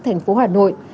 thành phố hà nội